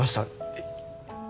えっ。